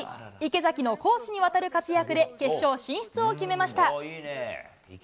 池崎の攻守にわたる活躍で、決勝進出を決めました。